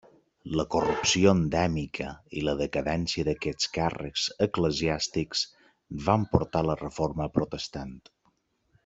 La corrupció endèmica i la decadència d'aquests càrrecs eclesiàstics van portar la Reforma Protestant.